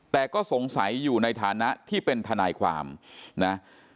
แต่ก็สงสัยอยู่ในฐานะที่เป็นทนายความนะ